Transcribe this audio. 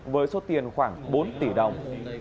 với số tiền khoảng bốn tỷ đồng